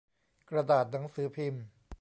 กระดาษหนังสือพิมพ์